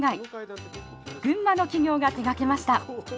群馬の企業が手がけました。